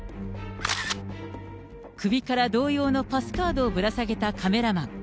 首から同様のパスカードをぶら下げたカメラマン。